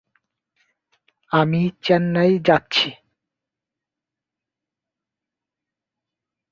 আমি চেন্নাই যাচ্ছি।